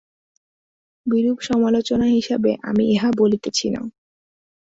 বিরূপ সমালোচনা হিসাবে আমি ইহা বলিতেছি না।